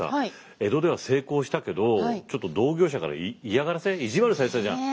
江戸では成功したけどちょっと同業者から嫌がらせ意地悪されてたじゃん。